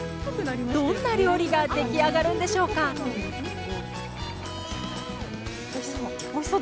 どんな料理が出来上がるんでしょうかおいしそう。